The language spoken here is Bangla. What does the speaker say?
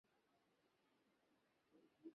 কীটনাশক বিক্রি নিয়ন্ত্রণ করতে হবে।